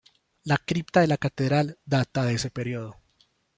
La cripta de la catedral data de ese periodo.